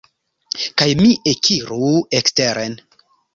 Kaj mi ekiru eksteren.